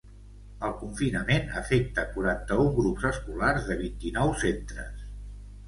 El confinament afecta quaranta-un grups escolars de vint-i-nou centres.